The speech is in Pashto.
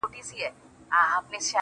خداى خو دي وكړي چي صفا له دره ولويـــږي.